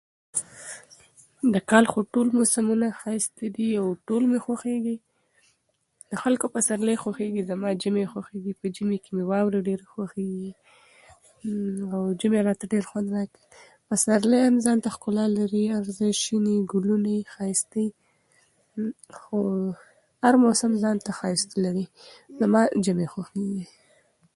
د کال خو ټول موسمونه ښایسته دي، او ټول مې خوښېږي. د خلکو پسرلی خوښېږي، زما ژمی خوښېږي. په ژمي کې مې واوره ډېره خوښېږي، او ژمی راته ډېر خوند راکوي. پسرلی هم ځان ته ښکلا لري؛ هر ځای شین وي، ګلونه وي، ښایسته وي. خو هر موسم ځان ته ښایست لري. زما ژمی خوښېږي.